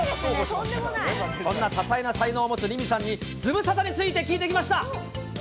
そんな多彩な才能を持つ凛美さんに、ズムサタについて聞いてきました。